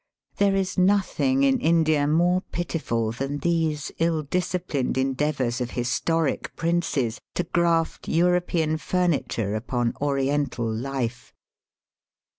There is nothing id India more pitiful than these ill disciplined endeavours of historic princes to graft European furniture upon x)riental life».